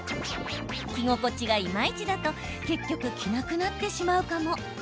着心地がいまいちだと結局、着なくなってしまうかも。